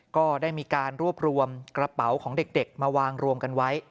ก็ได้มีการรวบรวมกระเป๋าของเด็กมาวางรวมกันไว้